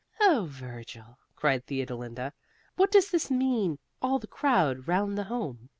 "Oh Virgil!" cried Theodolinda, "what does this mean all the crowd round the Home?